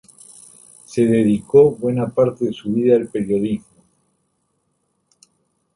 Se dedicó buena parte de su vida al periodismo.